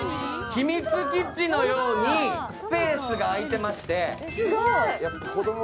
秘密基地のようにスペースが空いてまして。